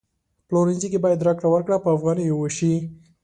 پلورنځي کی باید راکړه ورکړه په افغانیو وشي